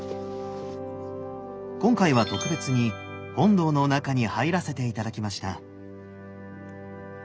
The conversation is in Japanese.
今回は特別に本堂の中に入らせて頂きました。